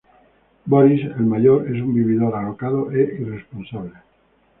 Boris, el mayor, es un vividor, alocado e irresponsable.